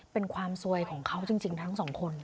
เป็นความสวยของเขาจริงทั้งสองคน